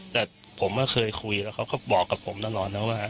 แต่ผมเคยคุยแล้วเขาก็บอกกับผมตลอดนะว่า